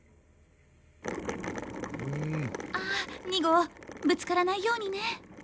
あ２号ぶつからないようにね。